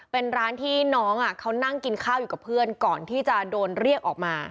เป็นร้านที่น้องเขานั่งกินข้าวอยู่กับเพื่อนก่อนที่จะโดนเรียกออกมา